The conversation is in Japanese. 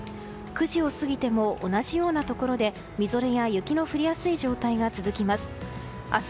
９時を過ぎても同じようなところでみぞれや雪の降りやすい状態が続きます。